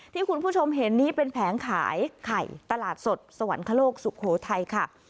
ที่คุณผู้ชมเห็นนี้เป็นแผงขายไข่ตลาดสดสวรรคโลกสุโขทัยค่ะ